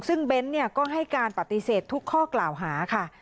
ซึ่งเบ้นก็ให้การปฏิเสธทุกข้อกล่าวหาค่ะ